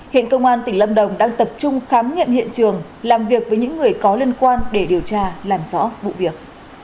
hiện công an tỉnh lâm đồng đang tập trung khám nghiệm hiện trường làm việc với những người có liên quan để điều tra làm rõ vụ việc